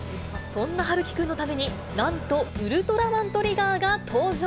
そんな陽喜くんのために、なんとウルトラマントリガーが登場。